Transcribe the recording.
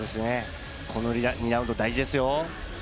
この２ラウンド、大事ですよ。